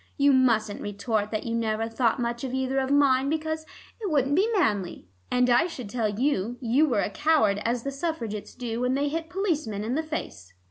You mustn't retort that you never thought much of either of mine, because it wouldn't be manly, and I should tell you you were a coward as the Suffragettes do when they hit policemen in the face."